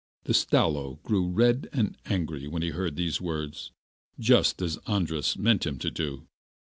The Stalo grew red and angry when he heard these words, just as Andras meant him to do.